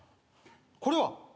これは？